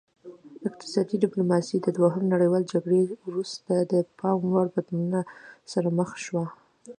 اقتصادي ډیپلوماسي د دوهم نړیوال جنګ وروسته د پام وړ بدلونونو سره مخ شوه